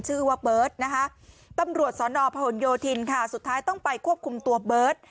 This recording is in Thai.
ชื่อว่าเบิร์ตนะคะตำรวจสอนอพหนโยธินค่ะสุดท้ายต้องไปควบคุมตัวเบิร์ต